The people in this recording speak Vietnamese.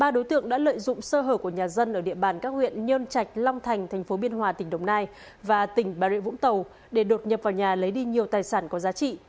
ba đối tượng đã lợi dụng sơ hở của nhà dân ở địa bàn các huyện nhơn trạch long thành thành phố biên hòa tỉnh đồng nai và tỉnh bà rịa vũng tàu để đột nhập vào nhà lấy đi nhiều tài sản có giá trị